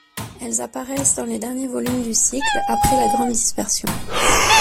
Elles apparaissent dans les derniers volumes du cycle, après la Grande Dispersion.